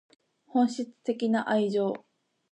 本質的な愛情